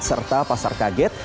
serta pasar kaget